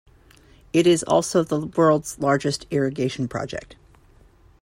It is also the world's largest irrigation project.